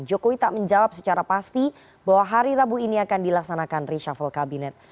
jokowi tak menjawab secara pasti bahwa hari rabu ini akan dilaksanakan reshuffle kabinet